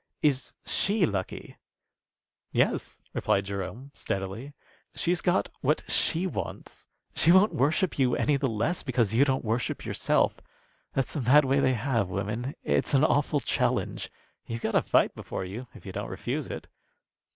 Is she lucky?" "Yes," replied Jerome, steadily. "She's got what she wants. She won't worship you any the less because you don't worship yourself. That's the mad way they have women. It's an awful challenge. You've got a fight before you, if you don't refuse it.".